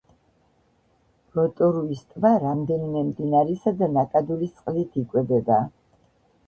როტორუის ტბა რამდენიმე მდინარისა და ნაკადულის წყლით იკვებება.